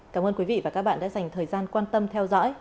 cảm ơn quý vị và các bạn đã dành thời gian quan tâm theo dõi